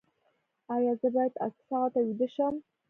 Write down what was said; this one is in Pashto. ایا زه باید اته ساعته ویده شم؟